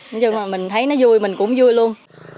nói chung là mình thấy nó vui mình cũng vui luôn